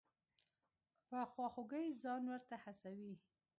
په خواخوږۍ ځان ورته هڅوي.